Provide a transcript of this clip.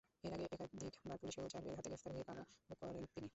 এর আগে একাধিকবার পুলিশ ও র্যাবের হাতে গ্রেপ্তার হয়ে কারাভোগ করেন তিনি।